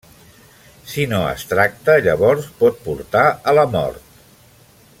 Si no es tracta, llavors pot portar a la mort.